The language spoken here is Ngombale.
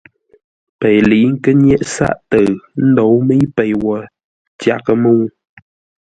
Pei lə̌i kə́ nyéʼ sáʼ-təʉ ə́ ndóu mə́i pei wo tyaghʼə́ mə́u.